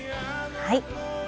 はい。